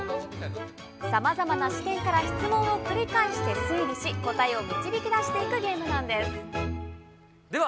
さまざまな視点から質問を繰り返して推理し、答えを導き出していくゲームなんです。